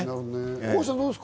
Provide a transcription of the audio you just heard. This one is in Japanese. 大橋さん、どうですか？